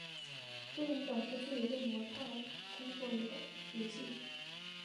芝妍表示自己对模特儿工作有兴趣。